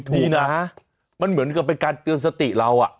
นี่น่ะมันเหมือนกับการเตือนสติเราอะ